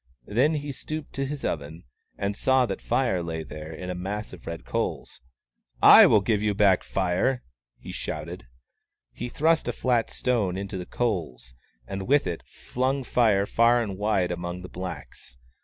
Then he stooped to his oven, and saw that Fire lay there in a mass of red coals. " I will give you back Fire !" he shouted. He thrust a flat stone into the coals, and with it flung Fire far and wide among the blacks.